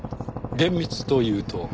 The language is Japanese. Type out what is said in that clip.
厳密というと？